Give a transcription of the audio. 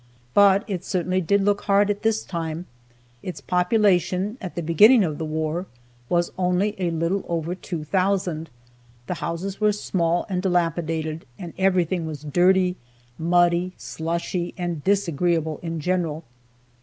But it certainly did look hard at this time. Its population, at the beginning of the war, was only a little over two thousand, the houses were small and dilapidated, and everything was dirty, muddy, slushy, and disagreeable in general.